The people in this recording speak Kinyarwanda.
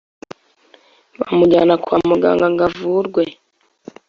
bamujyana kwa muganga ngo avurwe